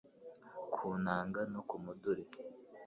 ku nanga no ku muduri